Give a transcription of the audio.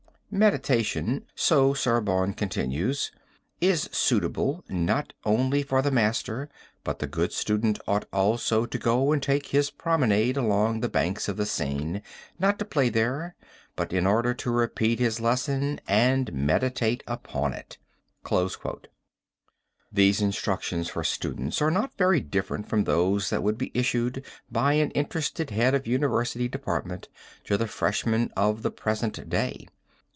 '" "Meditation," so Sorbonne continues, "is suitable not only for the master, but the good student ought also to go and take his promenade along the banks of the Seine, not to play there, but in order to repeat his lesson and meditate upon it." These instructions for students are not very different from those that would be issued by an interested head of a university department to the freshmen of the present day.